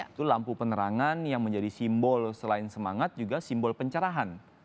itu lampu penerangan yang menjadi simbol selain semangat juga simbol pencerahan